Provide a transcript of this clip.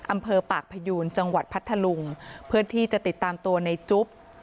อำเภอปากพยูนจังหวัดพัทธลุงเพื่อที่จะติดตามตัวในจุ๊บ